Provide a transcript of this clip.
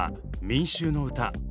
「民衆の歌」。